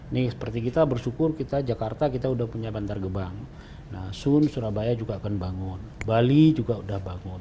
seperti kita bersyukur jakarta kita sudah punya pantar gebang soon surabaya juga akan bangun bali juga sudah bangun